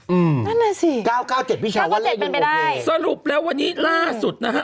อืมนั่นแหละสิ๙๙๗พี่เช้าว่าเรียกโอเคสรุปแล้ววันนี้ล่าสุดนะฮะ